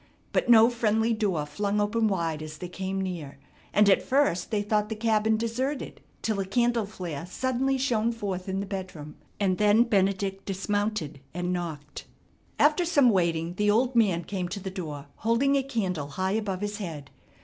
But no friendly door flung open wide as they came near, and at first they thought the cabin deserted, till a candle flare suddenly shone forth in the bedroom, and then Benedict dismounted and knocked. After some waiting the old man came to the door holding a candle high above his head.